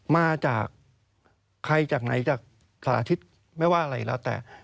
มาจากใครจากไหนจากสาธิตไม่ว่าอะไรแล้วแต่